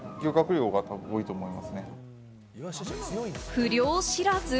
不漁知らず？